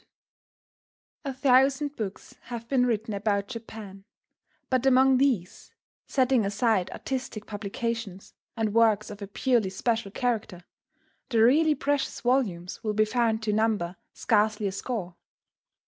DIFFICULTIES A thousand books have been written about Japan; but among these, setting aside artistic publications and works of a purely special character, the really precious volumes will be found to number scarcely a score.